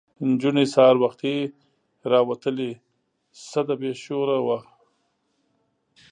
نجونې سهار وختي راوتلې سده بې شوره وه.